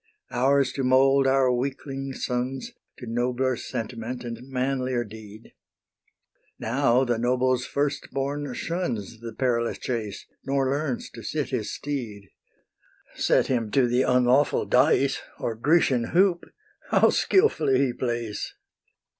Ours to mould our weakling sons To nobler sentiment and manlier deed: Now the noble's first born shuns The perilous chase, nor learns to sit his steed: Set him to the unlawful dice, Or Grecian hoop, how skilfully he plays!